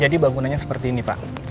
jadi bangunannya seperti ini pak